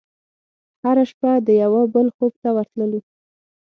هره شپه د یوه بل خوب ته ورتللو